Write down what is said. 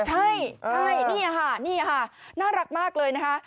ใช่นี่ค่ะนี่ค่ะน่ารักมากเลยนะคะ